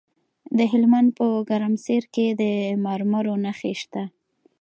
د هلمند په ګرمسیر کې د مرمرو نښې شته.